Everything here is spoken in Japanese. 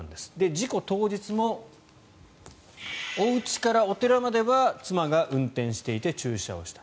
事故当日もおうちからお寺までは妻が運転をしていて駐車をした。